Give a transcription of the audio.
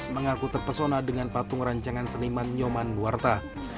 mengaku terpesona dengan patung rancangan seniman nyoman muarta